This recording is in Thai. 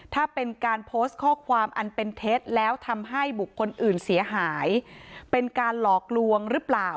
ถ้าเป็นการโพสต์ข้อความอันเป็นเท็จแล้วทำให้บุคคลอื่นเสียหายเป็นการหลอกลวงหรือเปล่า